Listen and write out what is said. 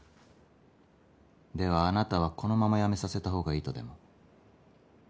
ではあなたはこのまま辞めさせたほうがいいとでも？